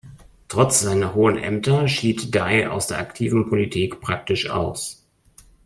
Trotz seiner hohen Ämter schied Dai aus der aktiven Politik praktisch aus.